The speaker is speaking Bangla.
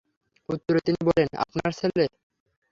উত্তরে তিনি বললেনঃ আপনার ছেলে।